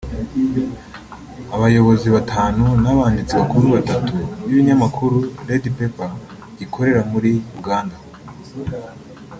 Abayobozi batanu n’abanditsi bakuru batatu b’ikinyamakuru Red Pepper gikorera muri Uganda